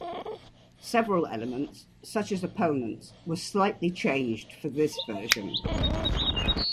Several elements, such as opponents, were slightly changed for this version.